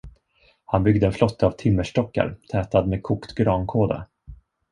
Han byggde en flotte av timmerstockar, tätad med kokt grankåda.